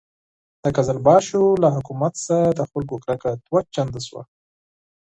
د قزلباشو له حکومت څخه د خلکو کرکه دوه چنده شوه.